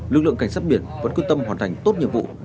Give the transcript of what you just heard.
lực lượng cảnh sát biển vẫn quyết tâm hoàn thành tốt nhiệm vụ